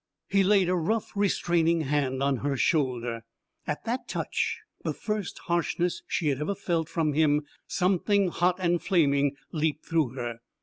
He laid a rough, restraining hand on her shoulder. At that touch the first harshness she had ever felt from him something hot and flaming leaped through her.